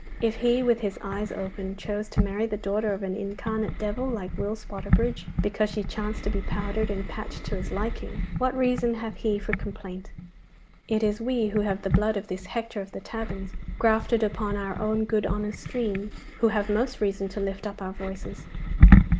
If he with his eyes open chose to marry the daughter of an incarnate devil like Will Spotterbridge, because she chanced to be powdered and patched to his liking, what reason hath he for complaint? It is we, who have the blood of this Hector of the taverns grafted upon our own good honest stream, who have most reason to lift up our voices.